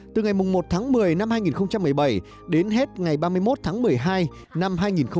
từ ngày một tháng một mươi năm hai nghìn một mươi bảy đến hết ngày ba mươi một tháng một mươi hai năm hai nghìn một mươi chín